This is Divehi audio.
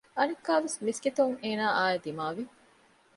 އަނެއްކާވެސް މިސްކިތުން އޭނާއާއި ދިމާވި